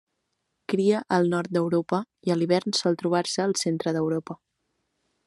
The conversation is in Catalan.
Cria al nord d'Europa i a l'hivern sol trobar-se al centre d'Europa.